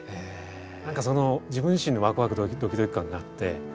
何かその自分自身もワクワクドキドキ感があって。